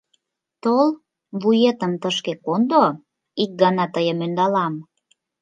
Тол, вуетым тышке кондо, ик гана тыйым ӧндалам.